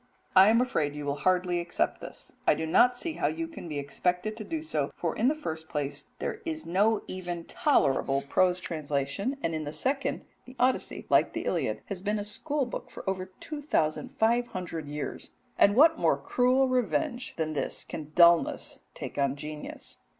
I am afraid you will hardly accept this; I do not see how you can be expected to do so, for in the first place there is no even tolerable prose translation, and in the second, the Odyssey, like the Iliad, has been a school book for over two thousand five hundred years, and what more cruel revenge than this can dullness take on genius?